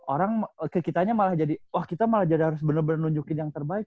orang kita malah jadi wah kita malah jadi harus bener bener nunjukin yang terbaik